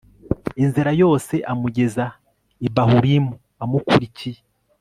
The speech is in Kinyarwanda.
inzira yose amugeza i Bahurimu amukurikiye